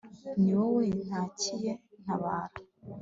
ni wowe ntakiye ntabara